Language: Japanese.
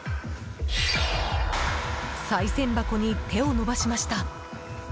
さい銭箱に手を伸ばしました。